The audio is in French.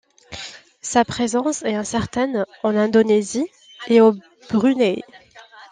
Sa présence est incertaine en Indonésie et au Brunei.